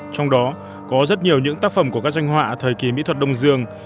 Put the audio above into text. trong đó có rất nhiều những tác phẩm của các doanh họa thời kỳ mỹ thuật đông dương